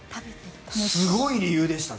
すごい理由でしたね。